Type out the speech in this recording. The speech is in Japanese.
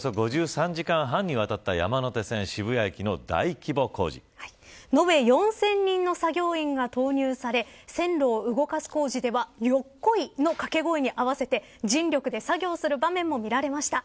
今朝の始発までおよそ５３時間半にわたった延べ４０００人の作業員が投入され線路を動かす工事ではよっこいしょの掛け声に合わせて人力で作業する場面も見られました。